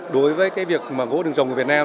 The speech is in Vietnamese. đối với việc gỗ rừng trồng của việt nam